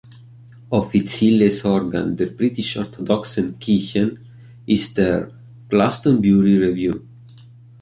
Offizielles Organ der Britisch-Orthodoxen Kirchen ist der "Glastonbury Review".